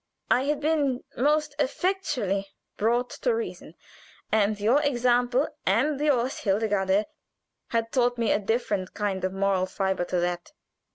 I had been most effectually brought to reason, and your example, and yours, Hildegarde, had taught me a different kind of moral fiber to that.